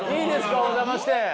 お邪魔して。